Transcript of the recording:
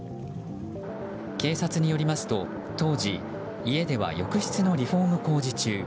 警察によりますと当時、家では浴室のリフォーム工事中。